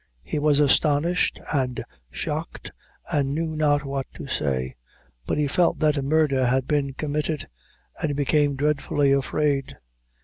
He was astonished and shocked, and knew not what to say; but he felt that murder had been committed, and he became dreadfully afraid.